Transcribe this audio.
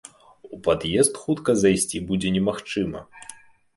У пад'езд хутка зайсці будзе немагчыма!